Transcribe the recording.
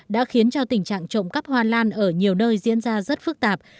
đã khiến cho tình trạng trộm cắp hoa lan ở nhiều nơi diễn ra rất phức tạp